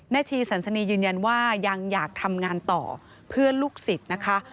ชีสันสนียืนยันว่ายังอยากทำงานต่อเพื่อนลูกศิษย์นะคะ